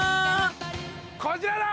こちらだ。